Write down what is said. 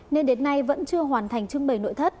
nên đến nay vẫn chưa hoàn thành trưng bày nội thất